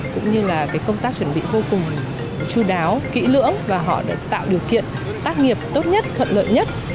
cũng như là công tác chuẩn bị vô cùng chú đáo kỹ lưỡng và họ đã tạo điều kiện tác nghiệp tốt nhất thuận lợi nhất